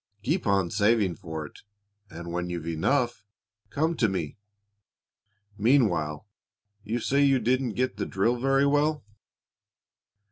Keep on saving for it, and, when you've enough, come to me. Meanwhile you say you didn't get the drill very well?"